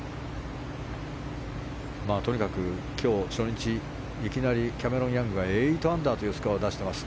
とにかく今日、初日いきなりキャメロン・ヤングが８アンダーというスコアを出しています。